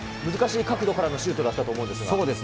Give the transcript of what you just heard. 難しい角度からのシュートだったと思うんですが。